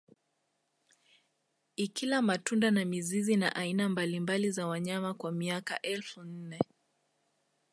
Ikila matunda na mizizi na aina mbalimbali za wanyama kwa miaka elfu nne